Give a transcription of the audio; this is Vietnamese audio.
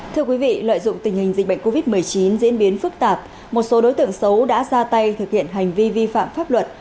thưa quý vị lợi dụng tình hình dịch bệnh covid một mươi chín diễn biến phức tạp một số đối tượng xấu đã ra tay thực hiện hành vi vi phạm pháp luật